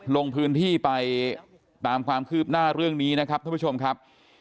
ลงพื้นที่ไปตามความคืบหน้าเรื่องนี้นะครับท่านผู้ชมครับ